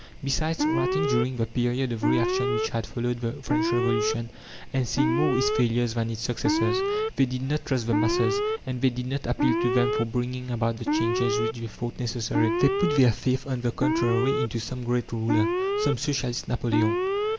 Besides, writing during the period of reaction which had followed the French Revolution, and seeing more its failures than its successes, they did not trust the masses, and they did not appeal to them for bringing about the changes which they thought necessary. They put their faith, on the contrary, into some great ruler, some Socialist Napoleon.